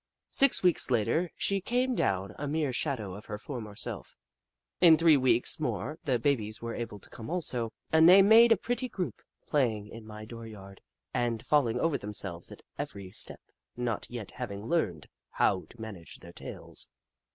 Six weeks later she came down — a mere shadow of her former self. In three weeks more, the babies were able to come also, and they made a pretty group, playing in my door yard and falling over themselves at every step, not yet having learned how to manage their tails.